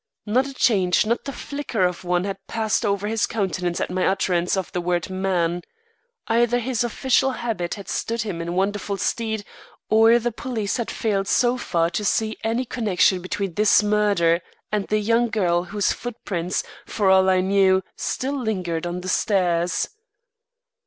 Not a change, not the flicker of one had passed over his countenance at my utterance of the word man. Either his official habit had stood him in wonderful stead, or the police had failed so far to see any connection between this murder and the young girl whose footprints, for all I knew, still lingered on the stairs.